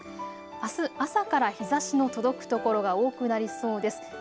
あす朝から日ざしの届く所が多くなりそうです。